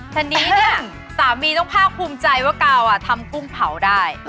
ทีนี้เนี่ยสามีต้องภาคภูมิใจว่ากาวทำกุ้งเผาได้